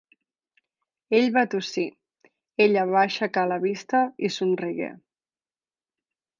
Ell va tossir, ella va aixecar la vista i somrigué.